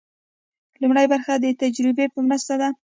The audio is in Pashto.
لومړۍ برخه د تجربې په مرسته ده.